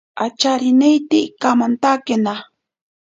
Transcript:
Acharineite ikamaketake.